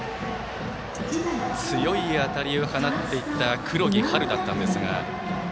強い当たりを放っていった黒木陽琉だったんですが。